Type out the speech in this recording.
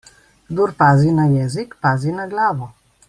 Kdor pazi na jezik, pazi na glavo.